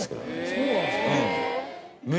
そうなんですか。